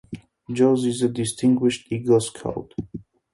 Jones is a Distinguished Eagle Scout.